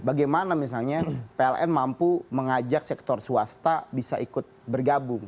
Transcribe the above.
bagaimana misalnya pln mampu mengajak sektor swasta bisa ikut bergabung